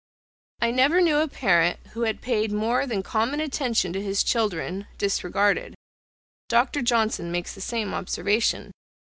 I never knew a parent who had paid more than common attention to his children, disregarded (Dr. Johnson makes the same observation.)